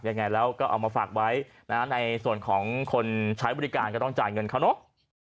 ยังไงแล้วก็เอามาฝากไว้นะในส่วนของคนใช้บริการก็ต้องจ่ายเงินเขาเนอะ